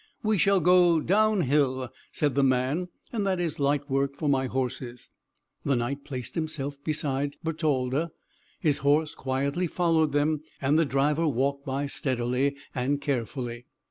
"We shall go down hill," said the man, "and that is light work for my horses." The Knight placed himself by Bertalda, his horse quietly followed them, and the driver walked by steadily and carefully.